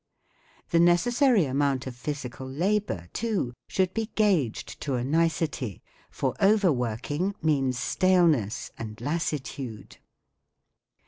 The necessary amount of physical labour, too, should be gauged to a nicety* for over working means J< staleness M and lassitude.